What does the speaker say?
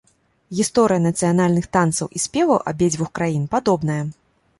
Гісторыя нацыянальных танцаў і спеваў абедзвюх краін падобная.